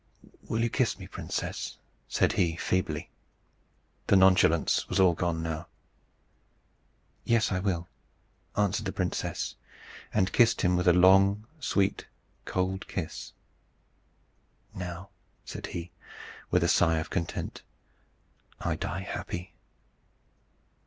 "Will you kiss me, princess?" said he, feebly. The nonchalance was all gone now. "Yes, I will," answered the princess, and kissed him with a long, sweet, cold kiss. "Now," said he, with a sigh of content, "I die happy."